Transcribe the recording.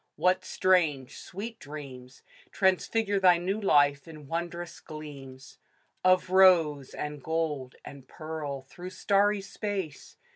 What strange, sweet dreams Transfigure thy new life, in wondrous gleams Of rose, and gold, and pearl, through starry space